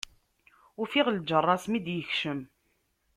Ufiɣ lǧerra-s mi d-yekcem.